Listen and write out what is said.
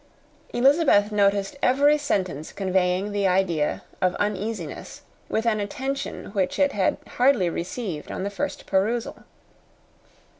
Elizabeth noticed every sentence conveying the idea of uneasiness, with an attention which it had hardly received on the first perusal.